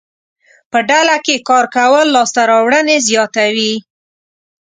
په ډله کې کار کول لاسته راوړنې زیاتوي.